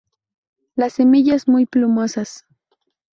Las semillas muy plumosas.